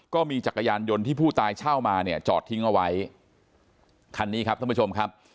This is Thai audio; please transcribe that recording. ก็มีจักรยานยนต์ที่ผู้ตายเช่ามาเนี่ยจอดทิ้งเอาไว้คันนี้ครับท่านผู้ชมครับ